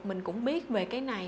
mình cũng biết về cái này